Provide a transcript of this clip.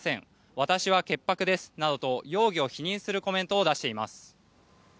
私は潔白ですなどと容疑を否認するコメントを出しています。